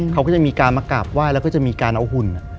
เขาก็จะมีการมากราบไหว้แล้วก็จะมีการเอาหุ่น